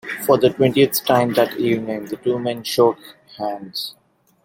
For the twentieth time that evening the two men shook hands.